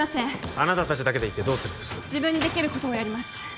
あなた達だけで行ってどうするんです自分にできることをやります